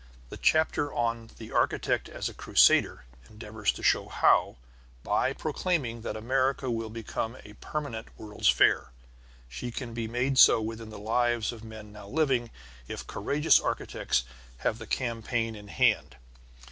The chapter on The Architect as a Crusader endeavors to show how, by proclaiming that America will become a permanent World's Fair, she can be made so within the lives of men now living, if courageous architects have the campaign in hand.